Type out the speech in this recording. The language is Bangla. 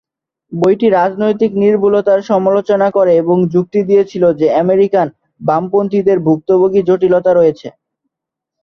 বইটি রাজনৈতিক নির্ভুলতার সমালোচনা করে এবং যুক্তি দিয়েছিল যে আমেরিকান বামপন্থীদের ভুক্তভোগী জটিলতা রয়েছে।